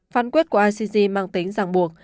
phán quyết của icc mang tính giảng buộc